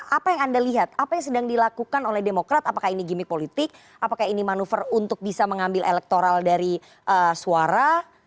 apa yang anda lihat apa yang sedang dilakukan oleh demokrat apakah ini gimmick politik apakah ini manuver untuk bisa mengambil elektoral dari suara